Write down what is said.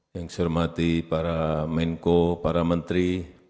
yang saya hormati para menko para menteri